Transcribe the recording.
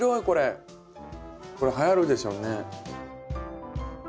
これはやるでしょうね。